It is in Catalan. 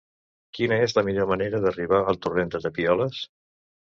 Quina és la millor manera d'arribar al torrent de Tapioles?